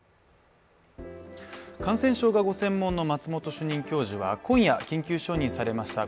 感染症がご専門の松本主任教授は今夜、緊急承認されました